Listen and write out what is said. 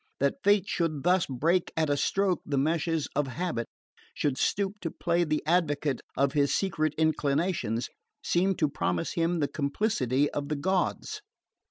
That fate should thus break at a stroke the meshes of habit, should stoop to play the advocate of his secret inclinations, seemed to promise him the complicity of the gods.